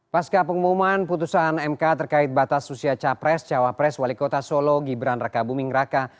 pasca pengumuman putusan mk terkait batas usia capres cawapres wali kota solo gibran raka buming raka